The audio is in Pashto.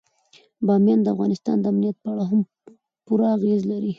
بامیان د افغانستان د امنیت په اړه هم پوره اغېز لري.